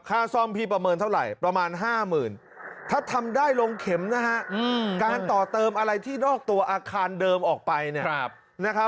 ค่าซ่อมพี่ประเมินเท่าไหร่ประมาณ๕๐๐๐ถ้าทำได้ลงเข็มนะฮะการต่อเติมอะไรที่นอกตัวอาคารเดิมออกไป